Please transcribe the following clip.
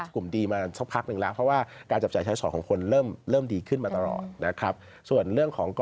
กลุ่มดีมาสักพักหนึ่ง